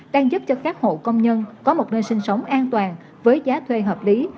đang giúp cho các hộ công nhân có một nơi sinh sống an toàn với giá thuê hợp lý